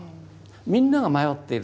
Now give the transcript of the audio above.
みんなが迷っている。